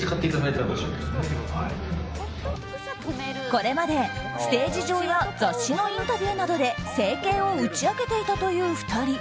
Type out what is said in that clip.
これまで、ステージ上や雑誌のインタビューなどで整形を打ち明けていたという２人。